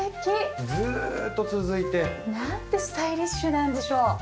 ずーっと続いて。なんてスタイリッシュなんでしょう。